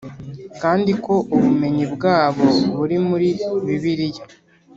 kandi ko ubumenyi bwabo buri mu muri bibiriya.